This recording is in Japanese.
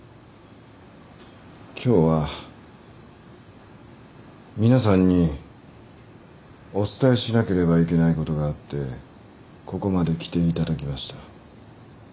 今日は皆さんにお伝えしなければいけないことがあってここまで来ていただきました。